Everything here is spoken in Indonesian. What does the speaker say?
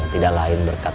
tidak lain berkat allah